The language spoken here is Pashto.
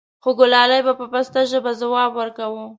خوګلالۍ به په پسته ژبه ځواب وركا و :